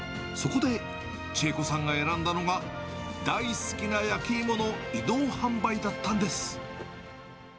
そこで千恵子さんが選んだのが、大好きな焼き芋の移動販売だったんです。